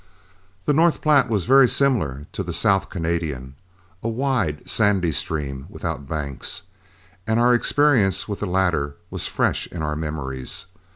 The North Platte was very similar to the South Canadian, a wide sandy stream without banks; and our experience with the latter was fresh in our memories.